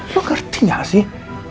lo ngerti gak sih